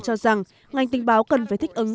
cho rằng ngành tình báo cần phải thích ứng